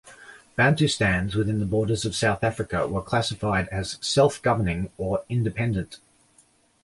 Bantustans within the borders of South Africa were classified as "self-governing" or "independent".